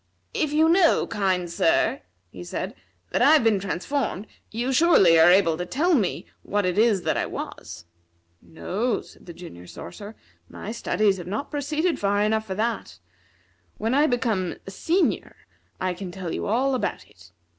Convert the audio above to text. "If you know, kind sir," he said, "that I have been transformed, you surely are able to tell me what it is that I was." "No," said the Junior Sorcerer, "my studies have not proceeded far enough for that. When I become a senior I can tell you all about it.